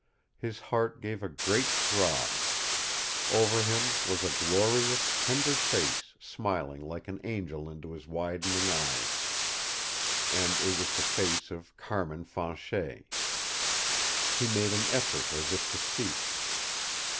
His heart gave a great throb. Over him was a glorious, tender face smiling like an angel into his widening eyes. And it was the face of Carmin Fanchet! He made an effort, as if to speak.